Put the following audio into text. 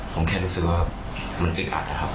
ผมแค่รู้สึกว่ามันอึดอัดนะครับ